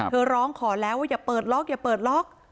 ร้องขอแล้วว่าอย่าเปิดล็อกอย่าเปิดล็อก